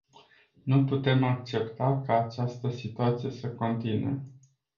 Nu putem accepta ca această situație să continue.